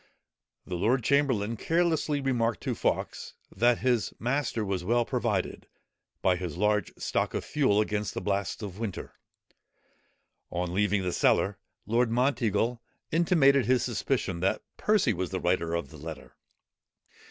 The lord chamberlain carelessly remarked to Fawkes, that his master was well provided, by his large stock of fuel, against the blasts of winter. On leaving the cellar, Lord Monteagle intimated his suspicion that Percy was the writer of the letter.